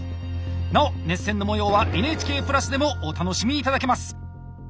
なお熱戦の模様はＮＨＫプラスでもお楽しみ頂けます！